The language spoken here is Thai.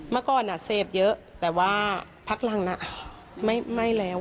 เมื่อก่อนเสพเยอะแต่ว่าพักหลังน่ะไม่แล้ว